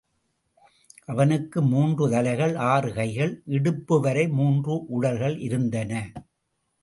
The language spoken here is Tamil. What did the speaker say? அவனுக்கு மூன்று தலைகள், ஆறு கைகள், இடுப்புவரை மூன்று உடல்கள் இருந்தன.